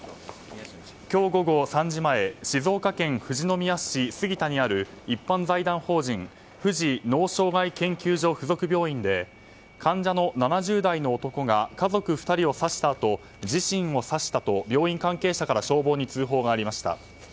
今日午後３時前静岡県富士宮市杉田にある一般財団法人富士脳障害研究所属附属病院で患者の７０代の男が家族２人を刺したあと自身を刺したと病院関係者から消防に通報がありました。